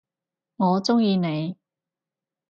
我中意你！